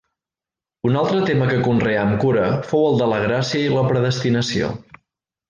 Un altre tema que conreà amb cura fou el de la gràcia i la predestinació.